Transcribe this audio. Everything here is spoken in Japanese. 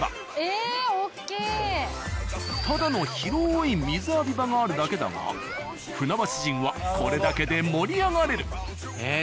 ただの広い水浴び場があるだけだが船橋人はこれだけで盛り上がれる。